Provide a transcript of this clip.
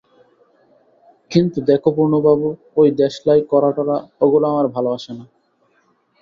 কিন্তু দেখো পূর্ণবাবু, ঐ দেশলাই করা-টরা ওগুলো আমার ভালো আসে না।